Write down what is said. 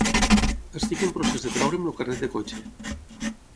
Estic en procés de treure'm el carnet de cotxe.